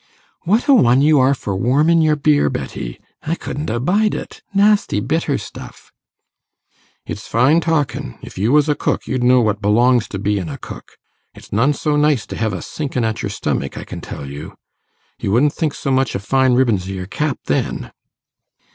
'What a one you are for warmin' your beer, Betty! I couldn't abide it nasty bitter stuff!' 'It's fine talkin'; if you was a cook you'd know what belongs to bein' a cook. It's none so nice to hev a sinkin' at your stomach, I can tell you. You wouldn't think so much o' fine ribbins i' your cap then.